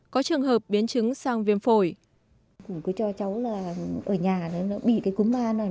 có trường hợp biến chứng sang viêm phổi